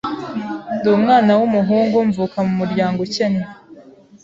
Ndi umwana w’umuhungu, mvuka mu muryango ukennye.